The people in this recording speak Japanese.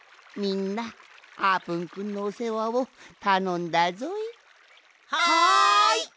みんなあーぷんくんのおせわをたのんだぞい。